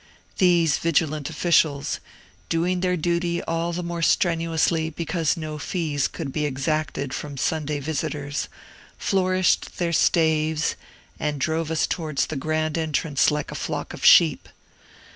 These vigilant officials (doing their duty all the more strenuously because no fees could be exacted from Sunday visitors) flourished their staves, and drove us towards the grand entrance like a flock of sheep.